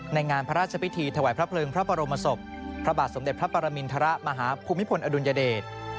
งานพระราชพิธีถวายพระเพลิงพระบรมศพพระบาทสมเด็จพระปรมินทรมาฮภูมิพลอดุลยเดช